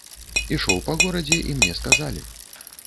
Ішоў па горадзе, і мне сказалі.